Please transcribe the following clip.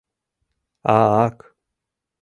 А-ак!